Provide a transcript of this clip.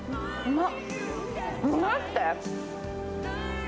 うまっ！